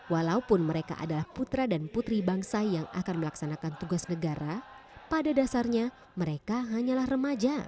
walaupun mereka adalah putra dan putri bangsa yang akan melaksanakan tugas negara pada dasarnya mereka hanyalah remaja